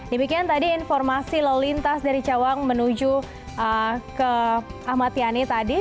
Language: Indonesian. demikian tadi informasi lelintas dari cawang menuju ke amatiani tadi